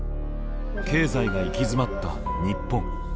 経済が行き詰まった日本。